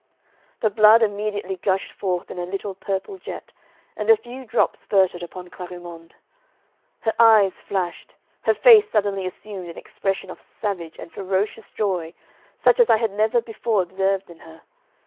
The blood immediately gushed forth in a little purple jet, and a few drops spurted upon Clarimonde. Her eyes flashed, her face suddenly assumed an expression of savage and ferocious joy such as I had never before observed in her.